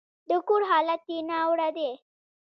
د کور حالت يې ناوړه دی.